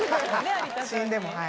死んでもはい。